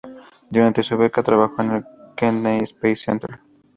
Durante su beca trabajó en el "Kennedy Space Center.